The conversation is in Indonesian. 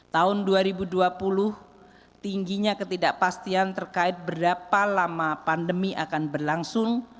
tahun dua ribu dua puluh tingginya ketidakpastian terkait berapa lama pandemi akan berlangsung